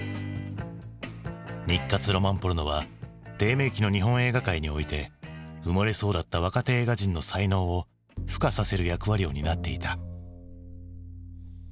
日活ロマンポルノは低迷期の日本映画界において埋もれそうだった若手映画人の才能をふ化させる役割を担っていた。